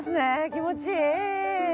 気持ちいい。